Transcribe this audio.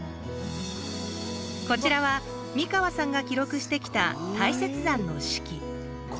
こちらは、三川さんが記録してきた大雪山の四季。